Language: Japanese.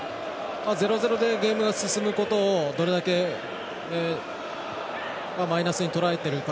０−０でゲームが進むことをどれだけマイナスにとらえているか。